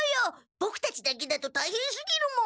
ボクたちだけだとたいへんすぎるもん。